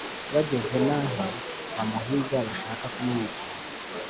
bageze n aho bamuhiga bashaka kumwica